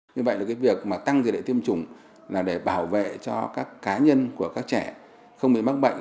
như vậy là việc tăng dự định tiêm chủng là để bảo vệ cho các cá nhân của các trẻ không bị mắc bệnh